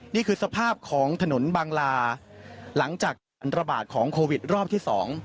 นี่คือสภาพของถนนบางลาหลังจากระบาดของโควิดรอบที่๒